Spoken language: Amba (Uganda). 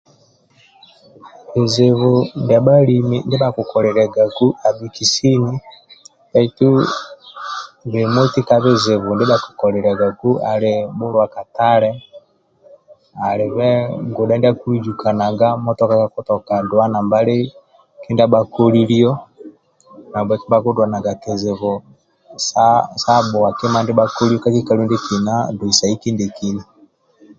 Bizibu ndia bhalimi ndia bhakikoliliagaku abhiki sini bhaitu bemoti ka bizibu ndia bhakikoliliagagu ali bhulua katale alibe ngudhe ndia akiluzukanaga motoka kakitoka duwa kindia bhakolilio nahabweke bhakiduanaga sa bhua kima kindia bhakolilio doisai kindie kina